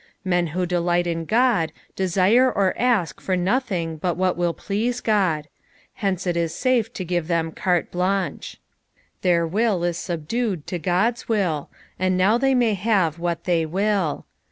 Men who delight in desire or ask for nothing but what will please God : hence it is safe to give them earle blane&e. Their will is subdued to God's will, and now they iniiy have what they will.